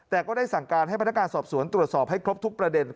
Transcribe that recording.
แต่ก็ได้สั่งการให้พนักงานสอบสวนตรวจสอบให้ครบทุกประเด็น